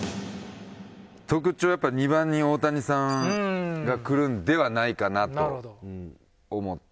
特徴はやっぱ２番に大谷さんがくるんではないかなと思って。